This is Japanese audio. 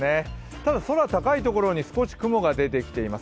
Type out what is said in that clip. ただ、空高いところに少し雲が出てきています。